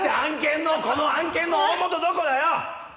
この案件の大元どこだよ！